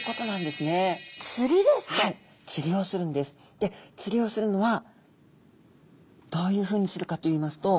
で釣りをするのはどういうふうにするかといいますと。